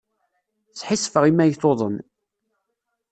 Sḥissifeɣ imi ay tuḍen.